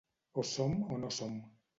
O som o no som.